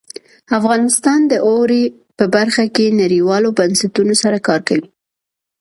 افغانستان د اوړي په برخه کې نړیوالو بنسټونو سره کار کوي.